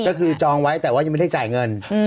ก็คือจองไว้แต่ว่ายังไม่ได้จ่ายเงิน